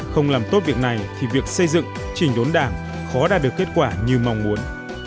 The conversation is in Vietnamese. không làm tốt việc này thì việc xây dựng trình đốn đảng khó đạt được kết quả như mong muốn